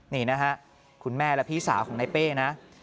นี่นะฮะคุณแม่และพี่สาวของนายเป้นะ